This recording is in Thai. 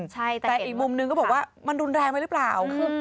แต่อีกมุมนึงก็บอกว่ามันรุนแรงไปหรือเปล่า